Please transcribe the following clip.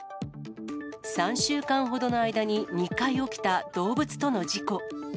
３週間ほどの間に２回起きた動物との事故。